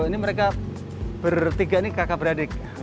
ini mereka bertiga ini kakak beradik